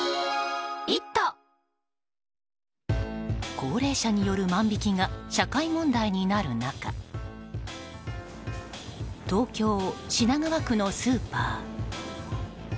高齢者による万引きが社会問題になる中東京・品川区のスーパー。